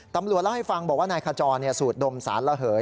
ตำรวจเล่าให้ฟังบอกว่านายขจรสูดดมสารระเหย